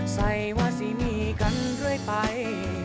ใส่ว่าสิมีกันด้วยไป